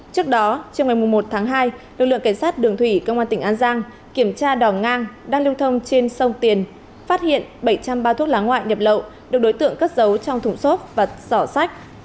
trước đó trong ngày một tháng hai lực lượng cảnh sát đường thủy công an tỉnh an giang kiểm tra đò ngang đang lưu thông trên sông tiền phát hiện bảy trăm linh bao thuốc lá ngoại nhập lậu được đối tượng cất giấu trong thùng xốp và sỏ sách